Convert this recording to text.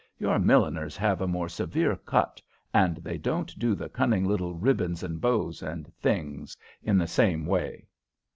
Your milliners have a more severe cut, and they don't do the cunning little ribbons and bows and things in the same way."